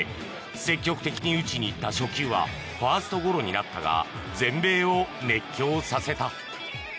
積極的に打ちに行った初球はファーストゴロになったが全米を熱狂させた。